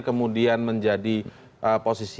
kemudian menjadi posisi